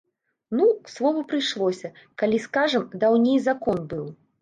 Ну, к слову прыйшлося, калі, скажам, даўней закон быў.